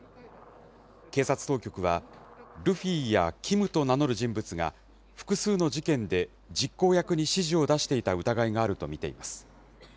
警察当局は、ルフィやキムと名乗る人物が、複数の事件で実行役に指示を出していた疑いがあると見ています。